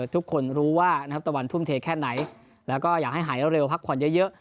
ทุกคนรู้ว่านะครับตะวันทุ่มเทแค่ไหนแล้วก็อยากให้หายเร็วพักผ่อนเยอะ